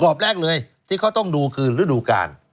อบแรกเลยที่เขาต้องดูคือฤดูกาล